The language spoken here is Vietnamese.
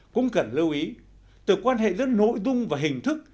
cũng cần lưu ý từ quan hệ giữa nội dung và hình thức